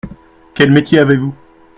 Quel métier avez-vous ?